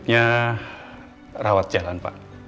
terima kasih banyak ya pak